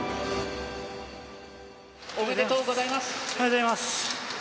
ありがとうございます。